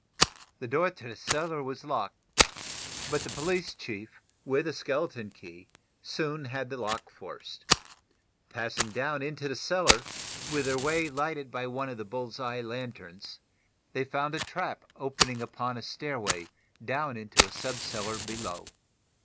The door to the cellar was locked, but the police chief, with a skeleton key, soon had the lock forced. Passing down into the cellar, their way lighted by one of the bull's eye lanterns, they found a trap opening upon a stairway down into the sub cellar below.